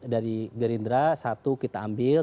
dari gerindra satu kita ambil